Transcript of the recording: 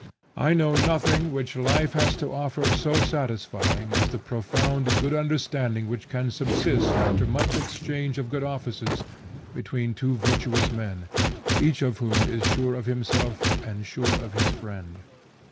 I know nothing which life has to offer so satisfying as the profound good understanding which can subsist after much exchange of good offices, between two virtuous men, each of whom is sure of himself and sure of his friend.